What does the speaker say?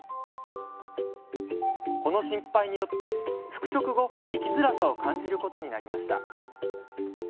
この失敗によって、復職後生きづらさを感じることになりました。